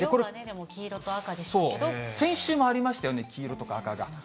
色がね、先週もありましたよね、黄色とか赤が。